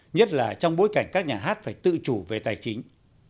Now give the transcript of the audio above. nhất là trong bối cảnh các nhà hát phải tự chủ về tài chính